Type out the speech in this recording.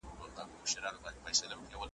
شمع په پانوس کي ستا له وېري رڼا نه نیسي ,